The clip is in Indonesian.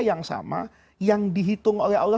yang sama yang dihitung oleh allah